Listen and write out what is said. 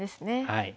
はい。